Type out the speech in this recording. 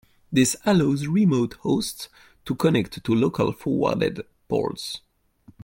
This allows remote hosts to connect to local forwarded ports.